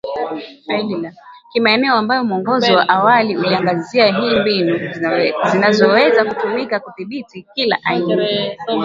kimaeneo ambayo mwongozo wa awali uliangazia iii mbinu zinazoweza kutumika kudhibiti kila aina